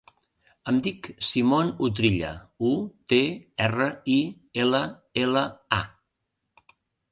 Em dic Simon Utrilla: u, te, erra, i, ela, ela, a.